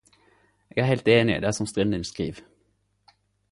Eg er heilt einig i det som Strindin skriv.